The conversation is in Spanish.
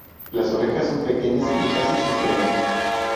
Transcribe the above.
Las orejas son pequeñas y casi sin pelo.